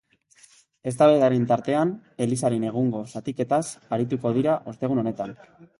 Eztabaidaren tartean, elizaren egungo zatiketaz arituko dira ostegun honetan.